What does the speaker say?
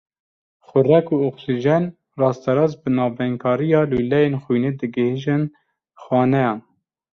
Xurek û oksîjen rasterast bi navbeynkariya lûleyên xwînê digihîjin xaneyan.